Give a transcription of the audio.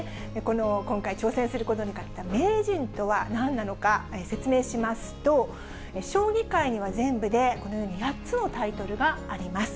今回、挑戦することになった名人とは何なのか、説明しますと、将棋界には全部でこのように８つのタイトルがあります。